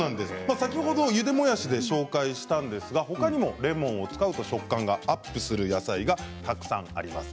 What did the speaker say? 先ほどもやしを紹介したんですが、ほかにもレモンを使うと食感がアップする野菜がたくさんあります。